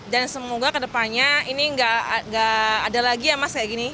dan semoga kedepannya ini enggak ada lagi ya mas kayak gini